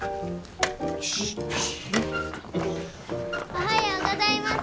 おはようございます。